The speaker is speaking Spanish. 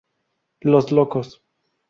Los Locos